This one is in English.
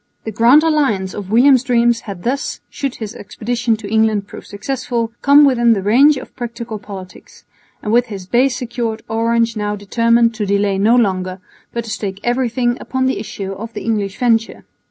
The Grand Alliance of William's dreams had thus (should his expedition to England prove successful) come within the range of practical politics; and with his base secured Orange now determined to delay no longer, but to stake everything upon the issue of the English venture.